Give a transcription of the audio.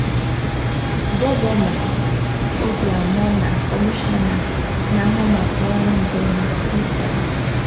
Gọvanọ Obianọ na Kọmishọna na-ahụ maka ọrụ ngo na steeti ahụ